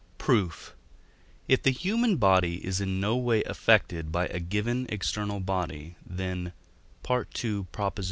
Proof. If the human body is in no way affected by a given external body, then (II.